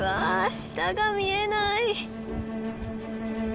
下が見えない！